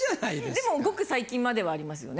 でもごく最近まではありますよね？